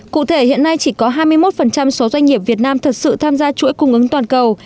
cụ thể hiện nay chỉ có hai mươi một số doanh nghiệp việt nam thật sự tham gia chuỗi cung ứng toàn cầu